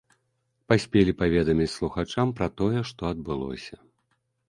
Паспелі паведаміць слухачам пра тое, што адбылося.